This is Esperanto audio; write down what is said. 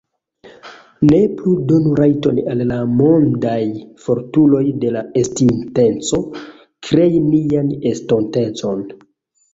Ne plu donu rajton al la mondaj fortuloj de la estinteco krei nian estontecon